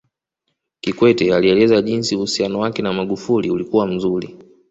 Kikwete alielezea jinsi uhusiano wake na Magufuli ulikuwa mzuri